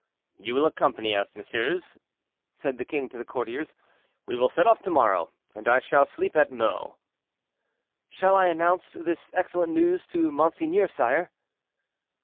"You will accompany us, messieurs," said the king to the courtiers; "we will set off to morrow, and I shall sleep at Meaux." "Shall I at once announce this excellent news to monseigneur, sire?"